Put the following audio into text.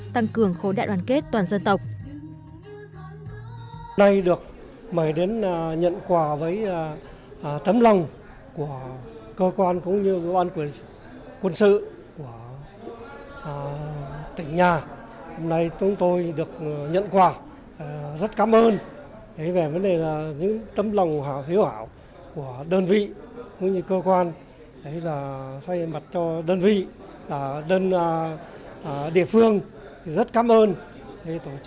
tăng cường khối đại đoàn kết toàn dân tộc